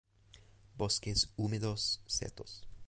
Bosques húmedos, setos.